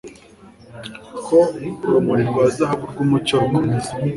ko urumuri rwa zahabu rwumucyo rukomeza